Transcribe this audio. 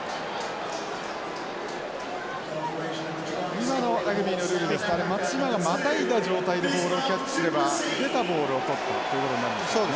今のラグビーのルールですと松島がまたいだ状態でボールをキャッチすれば出たボールをとったということになるんですね。